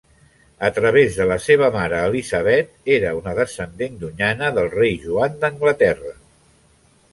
A través de la seva mare Elisabet era una descendent llunyana del rei Joan d'Anglaterra.